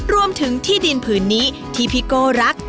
รวมถึงที่ดินผืนนี้ที่พี่โก้รัก